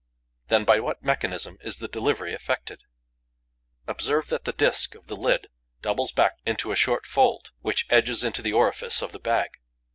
Then by what mechanism is the delivery effected? Observe that the disk of the lid doubles back into a short fold, which edges into the orifice of the bag.